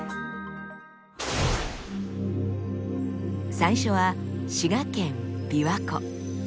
最初は滋賀県琵琶湖。